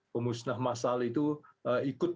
pemusnah masal itu ikut